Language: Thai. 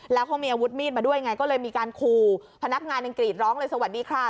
แล้วเขามีอาวุธมีดมาด้วยมีการครูพนักงานกรีดร้องสวัสดีครับ